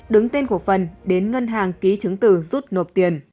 đứng tên cổ phần đến ngân hàng ký chứng từ rút nộp tiền